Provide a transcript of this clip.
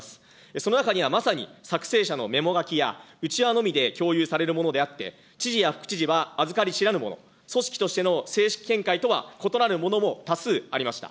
その中には、まさに作成者のメモ書きや、内輪のみで共有されるものであって、知事や副知事はあずかり知らぬもの、組織としての正式見解とは異なるものも多数ありました。